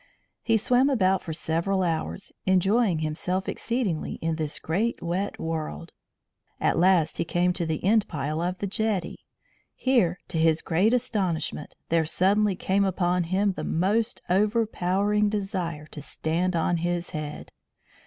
He swam about for several hours, enjoying himself exceedingly in this great wet world. At last he came to the end pile of the jetty. Here, to his great astonishment, there suddenly came upon him the most overpowering desire to stand on his head.